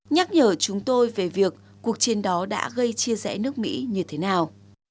nhắc nhở chúng tôi về việc cuộc chiến đó đã gây chia rẽ nước mỹ như thế nào